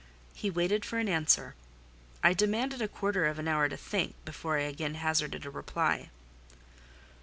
He waited for an answer. I demanded a quarter of an hour to think, before I again hazarded a reply.